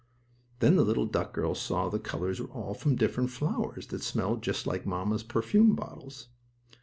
Then the little duck girl saw that the colors were all from different flowers that smelled just like mamma's perfume bottles.